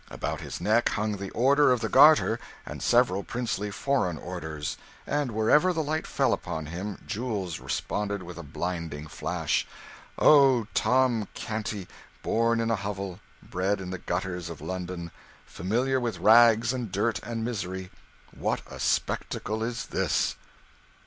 About his neck hung the order of the Garter, and several princely foreign orders;' and wherever light fell upon him jewels responded with a blinding flash. O Tom Canty, born in a hovel, bred in the gutters of London, familiar with rags and dirt and misery, what a spectacle is this!